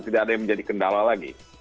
tidak ada yang menjadi kendala lagi